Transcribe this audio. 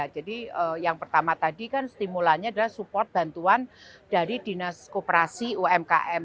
jadi yang pertama tadi kan stimulannya adalah support bantuan dari dinas kooperasi umkm